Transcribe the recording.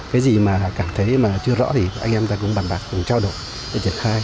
cái gì mà cảm thấy mà chưa rõ thì anh em ta cũng bàn bạc cùng trao đổi để triển khai